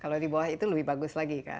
kalau di bawah itu lebih bagus lagi kan